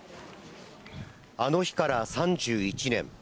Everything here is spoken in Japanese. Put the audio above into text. あの日から３１年。